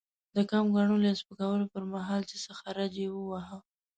د کم ګڼلو يا سپکولو پر مهال؛ چې څه خرج يې وواهه.